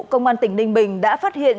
công an tỉnh ninh bình đã phát hiện